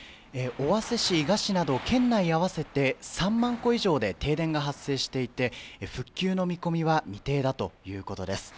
尾鷲市、伊賀市など県内合わせて３万戸以上で停電が発生していて復旧の見込みは未定だということです。